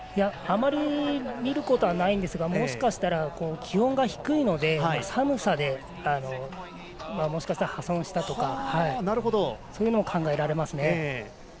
あまり見ることはないですがもしかしたら気温が低いので寒さで、もしかしたら破損したとかということも考えられますね。